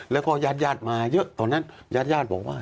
แล้วก็ญาติมาเยอะตอนนั้นญาติบอกว่า